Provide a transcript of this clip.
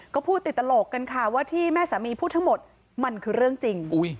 ก็พูดติดตลกกันค่ะว่าที่แม่สามีพูดทั้งหมดมันคือเรื่องจริง